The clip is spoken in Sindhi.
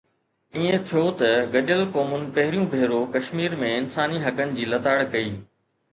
ائين ٿيو ته گڏيل قومن پهريون ڀيرو ڪشمير ۾ انساني حقن جي لتاڙ ڪئي